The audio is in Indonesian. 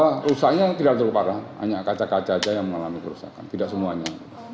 rukanya eh rusaknya tidak terlalu parah hanya kaca kaca aja yang mengalami kerusakan tidak semuanya